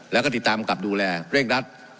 แล้วก็ติดตามกับดูแลเร่งรัด